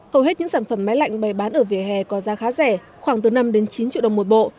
hầu hết những sản phẩm máy lạnh bày bán ở vỉa hè có giá khá rẻ khoảng từ năm đến chín triệu đồng một bộ